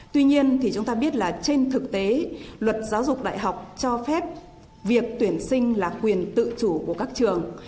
tuy nhiên thì chúng ta biết là trên thực tế luật giáo dục đại học cho phép việc tuyển sinh là quyền tự chủ của các trường